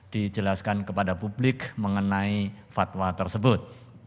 dijelaskan kepada publik mengenai fatwa tersebut